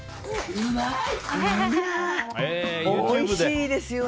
おいしいですよね。